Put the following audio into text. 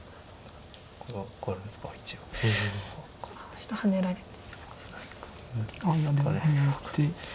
下ハネられて。